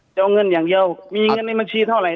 จะเอาเงินอย่างเดียวมีเงินในบัญชีเท่าไห